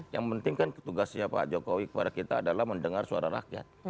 yang penting kan tugasnya pak jokowi kepada kita adalah mendengar suara rakyat